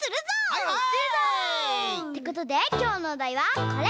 はいはい！ってことできょうのおだいはこれ！